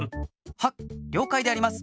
はっりょうかいであります。